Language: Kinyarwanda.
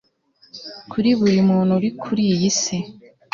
Kuri buri muntu uri kuri iyi si